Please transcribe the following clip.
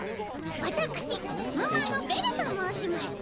私夢魔のベルと申します。